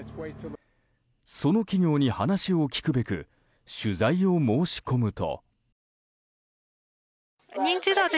その企業に話を聞くべく取材を申し込むと。